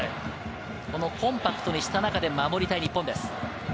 コンパクトにした中で守りたい日本です。